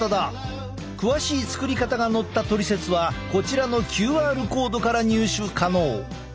詳しい作り方が載ったトリセツはこちらのＱＲコードから入手可能。